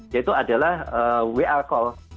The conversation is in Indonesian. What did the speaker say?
yaitu adalah wa call